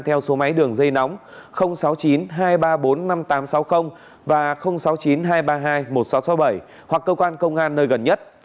theo số máy đường dây nóng sáu mươi chín hai trăm ba mươi bốn năm nghìn tám trăm sáu mươi và sáu mươi chín hai trăm ba mươi hai một nghìn sáu trăm sáu mươi bảy hoặc cơ quan công an nơi gần nhất